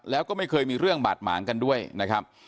แล้วก็ไม่เคยมีเรื่องบาดหมางกันด้วยนะครับ